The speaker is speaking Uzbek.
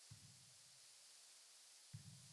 “Uyga ketishimiz kerak”, degan jumla